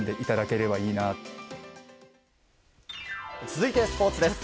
続いて、スポーツです。